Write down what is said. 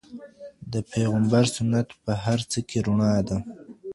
د پيغمبر سنت په هر څه کي رڼا ده.